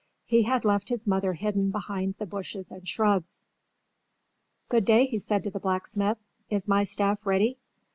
He had left his mother hidden behind the bushes and shrubs. "Good day," he said to the blacksmith. "Is my staff ready?"